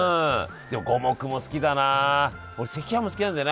でも五目も好きだな。